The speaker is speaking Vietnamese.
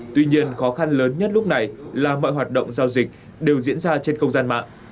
tuy nhiên khó khăn lớn nhất lúc này là mọi hoạt động giao dịch đều diễn ra trên không gian mạng